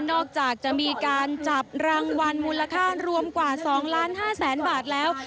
นอกจากจะมีการจับรางวัลมูลค่ารวมกว่า๒๕๐๐๐๐บาทแล้ว